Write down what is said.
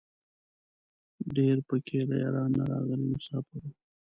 ډېر په کې له ایران نه راغلي مساپر وو.